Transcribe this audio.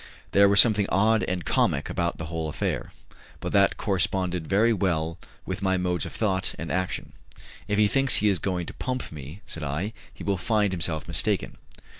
There was something odd and comic about the whole affair; but that corresponded very well with my modes of thought and action. "If he thinks he is going to pump me," said I, "he will find himself mistaken.